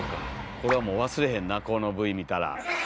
これはもう忘れへんなこのＶ見たら。